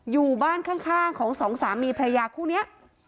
อยู่บ้านข้างของสองสามีพระยาคู่นี้